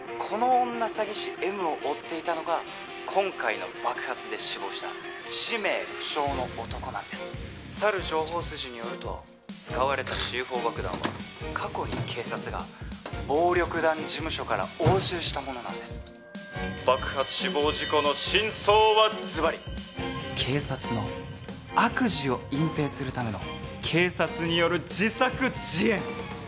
この女詐欺師Ｍを追っていたのが今回の爆発で死亡した氏名不詳の男なんですさる情報筋によると使われたＣ４爆弾は過去に警察が暴力団事務所から押収したものなんです爆発死亡事故の真相はズバリ警察の悪事を隠ぺいするための警察による自作自演